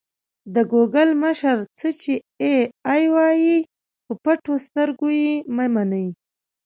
د ګوګل مشر: څه چې اې ای وايي په پټو سترګو یې مه منئ.